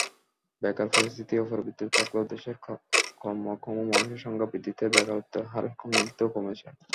বেকার পরিস্থিতি অপরিবর্তিত থাকলেও দেশের কর্মক্ষম মানুষের সংখ্যা বৃদ্ধিতে বেকারত্বের হার কিন্তু কমেছে।